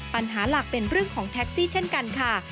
ปัญหาหลักเป็นเรื่องของแท็กซี่เช่นกันค่ะ